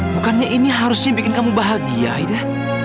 bukannya ini harusnya bikin kamu bahagia ya